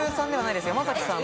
山崎さん